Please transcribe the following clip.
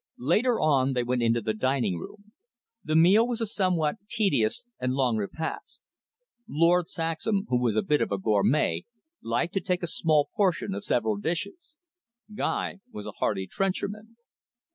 Later on, they went into the dining room. The meal was a somewhat tedious and long repast. Lord Saxham, who was a bit of a gourmet, liked to take a small portion of several dishes. Guy was a hearty trencherman.